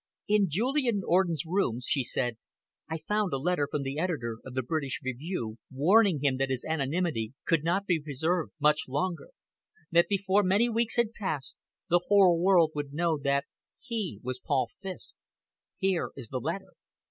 "In Julian Orden's rooms," she said, "I found a letter from the editor of the British Review, warning him that his anonymity could not be preserved much longer that before many weeks had passed the world would know that he was Paul Fiske. Here is the letter."